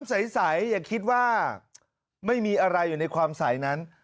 ใสอย่าคิดว่าไม่มีอะไรอยู่ในความใสนั้น